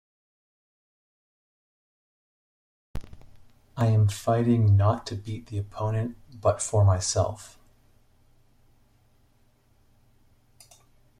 I am fighting not to beat the opponent, but for myself.